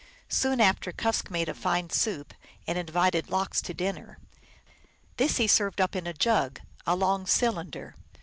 Soon after, Kusk made a fine soup, and invited Lox to dinner. This he served up in a jug, a long cylinder.